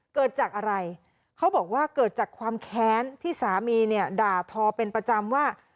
เกิดจากอะไรเขาบอกว่าเกิดจากความแค้นที่สามีเนี่ยด่าทอเป็นประจำว่า